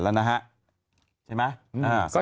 แล้วนะฮะใช่ไหม